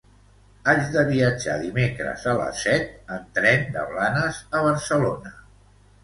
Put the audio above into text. Haig de viatjar dimecres a les set en tren de Blanes a Barcelona.